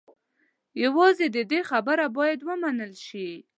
یوازې د ده خبره باید و منل شي.